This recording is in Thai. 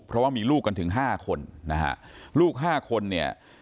เพราะว่ามีลูกกันถึงห้าคนนะฮะลูกห้าคนเนี่ย